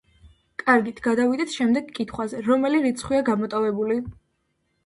კარგით, გადავიდეთ შემდეგ კითხვაზე: რომელი რიცხვია გამოტოვებული?